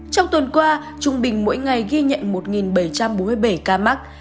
trong tuần qua trung bình mỗi ngày ghi nhận một bảy trăm bốn mươi bảy ca mắc